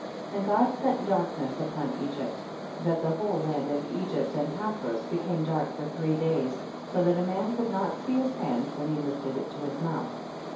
36. And God sent darkness upon Egypt, that the whole land of Egypt and Pathros became dark for three days, so that a man could not see his hand when he lifted it to his mouth.